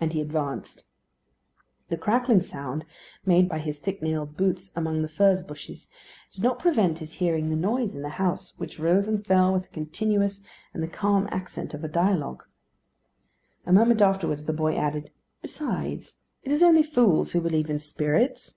And he advanced. The crackling sound made by his thick nailed boots among the furze bushes did not prevent his hearing the noise in the house, which rose and fell with the continuousness and the calm accent of a dialogue. A moment afterwards the boy added: "Besides, it is only fools who believe in spirits."